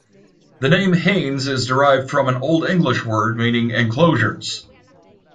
The name 'Haynes' is derived from an Old English word meaning "enclosures".